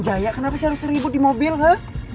jaya kenapa sih harus terhibut di mobil ha